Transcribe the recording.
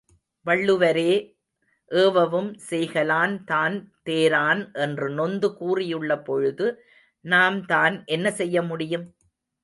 வள்ளுவரே, ஏவவும் செய்கலான் தான் தேரான் என்று நொந்து கூறியுள்ள பொழுது நாம்தான் என்ன செய்ய முடியும்?